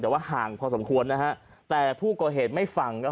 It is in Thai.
แต่ว่าห่างพอสมควรนะฮะแต่ผู้ก่อเหตุไม่ฟังครับ